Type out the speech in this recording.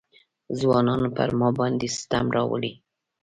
ځوانانو پر ما باندې ستم راوړی.